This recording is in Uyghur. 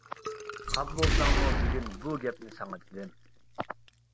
خاپا بولساڭمۇ بۈگۈن بۇ گەپنى ساڭا دېدىم.